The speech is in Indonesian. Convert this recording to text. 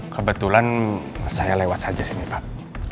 kebetulan saya lewat saja sini pak